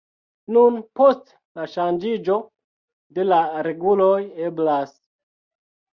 Nun, post la ŝanĝiĝo de la reguloj eblas.